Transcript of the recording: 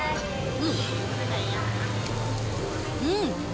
うん。